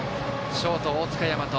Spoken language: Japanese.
ショート、大塚和央。